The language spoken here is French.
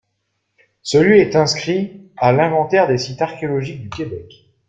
Ce lieu est inscrit à l'Inventaire des sites archéologiques du Québec.